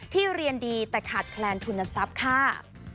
เรียนดีแต่ขาดแคลนทุนทรัพย์ค่ะ